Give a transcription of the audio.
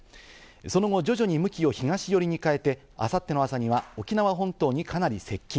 その後、徐々に向きを東寄りに変えて、あさっての朝には沖縄本島にかなり接近。